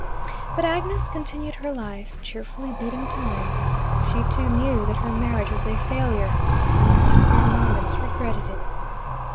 But Agnes continued her life, cheerfully beating time. She, too, knew that her marriage was a failure, and in her spare moments regretted it.